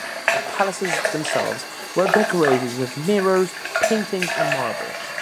The palaces themselves were decorated with mirrors, paintings and marble.